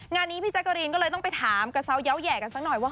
งานนี้พี่แจ๊กกะรีนก็เลยต้องไปถามกระเซาเยาว์แห่กันสักหน่อยว่า